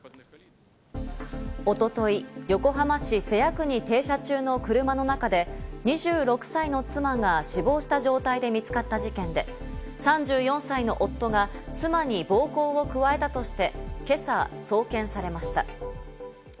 一昨日、横浜市瀬谷区に停車中の車の中で２６歳の妻が死亡した状態で見つかった事件で、３４歳の夫が妻に暴行を加えたとして今朝送検されました。